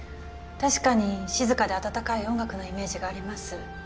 確かに静かで温かい音楽のイメージがあります。